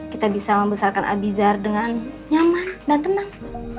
kita bisa membesarkan abizar dengan nyaman dan tenang